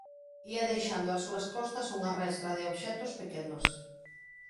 Ía deixando ás súas costas unha restra de obxectos pequenos.